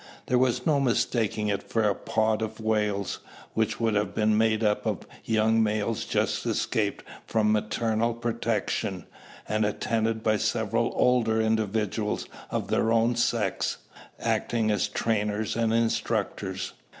There was no mistaking it for a "pod" of whales, which would have been made up of young males just escaped from maternal protection, and attended by several older individuals of their own sex, acting as trainers and instructors.